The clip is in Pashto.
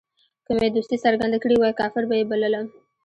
که مې دوستي څرګنده کړې وای کافر به یې بللم.